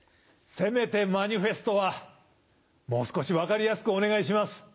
せめてマニフェストはもう少し分かりやすくお願いします。